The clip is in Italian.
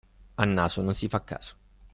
Al naso non si fa caso.